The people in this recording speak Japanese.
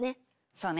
そうね。